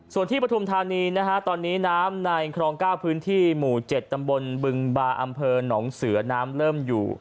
ส่วนที่ปฐุมธานีนะฮะตอนนี้น้ำในครอง๙พื้นที่หมู่๗ตำบลบึงบาอำเภอหนองเสือน้ำเริ่มอยู่